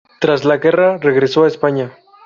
Tras la guerra regresó a España.